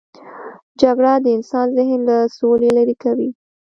جګړه د انسان ذهن له سولې لیرې کوي